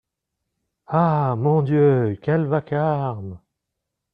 Ah ! mon Dieu ! quel vacarme !…